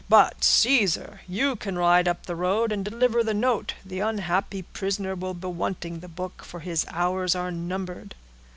But, Caesar, you can ride up the road and deliver the note—the unhappy prisoner will be wanting the book, for his hours are numbered."